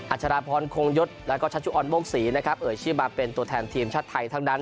ชราพรคงยศแล้วก็ชัชชุออนโมกศรีนะครับเอ่ยชื่อมาเป็นตัวแทนทีมชาติไทยทั้งนั้น